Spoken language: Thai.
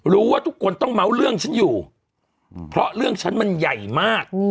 รู้ว่าทุกคนต้องเมาส์เรื่องฉันอยู่เพราะเรื่องฉันมันใหญ่มาก